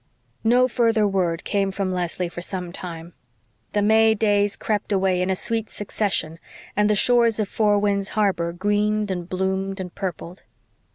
No further word came from Leslie for some time. The May days crept away in a sweet succession and the shores of Four Winds Harbor greened and bloomed and purpled.